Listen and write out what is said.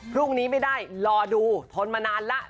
พรุ่งนี้ไม่ได้รอดูทนมานานแล้ว